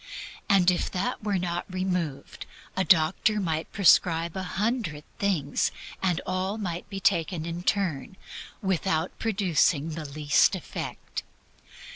If that were not removed, a doctor might prescribe a hundred things, and all might be taken in turn, without producing the least effect.